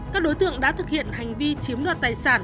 các đối tượng đã thực hiện hành vi chiếm đoạt tài sản